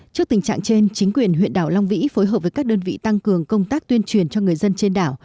trước tình trạng trên chính quyền huyện đảo long vĩ phối hợp với các đơn vị tăng cường công tác tuyên truyền cho người dân trên đảo